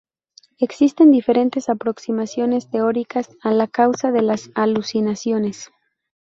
Existen diferentes aproximaciones teóricas a la causa de las alucinaciones.